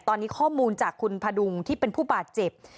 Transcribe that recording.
ตอนนี้ข้อมูลจากคุณพดุงที่เป็นผู้บาดเจ็บ